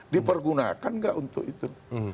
dipergunakan nggak untuk itu